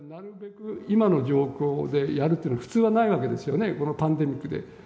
今の状況でやるというのは普通はないわけですよね、このパンデミックで。